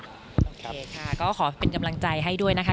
โอเคค่ะก็ขอเป็นกำลังใจให้ด้วยนะคะ